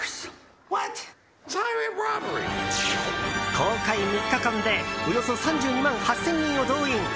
公開３日間でおよそ３２万８０００人を動員。